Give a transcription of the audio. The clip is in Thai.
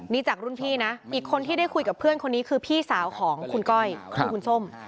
นี่จากรุ่นพี่นะอีกคนที่ได้คุยกับเพื่อนคนนี้คือพี่สาวของคุณก้อยคือคุณส้ม